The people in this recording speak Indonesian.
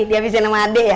dihabisin sama adek ya